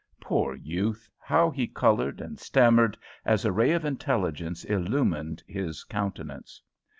Poor youth! how he coloured and stammered, as a ray of intelligence illumined his countenance!